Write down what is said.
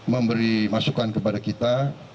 memberi masukan kepada kita